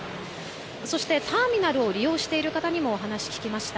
そしてターミナルを利用している方にもお話を聞きました。